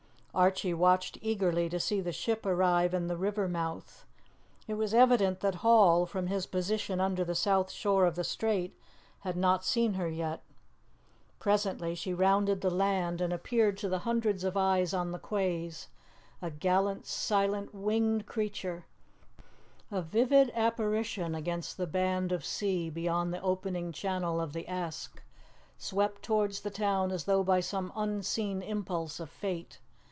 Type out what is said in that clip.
Archie watched eagerly to see the ship arrive in the river mouth. It was evident that Hall, from his position under the south shore of the strait, had not seen her yet. Presently she rounded the land and appeared to the hundreds of eyes on the quays, a gallant, silent, winged creature, a vivid apparition against the band of sea beyond the opening channel of the Esk, swept towards the town as though by some unseen impulse of fate.